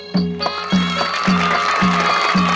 สวัสดีครับ